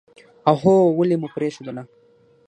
اوهووو ولې مو پرېښودله.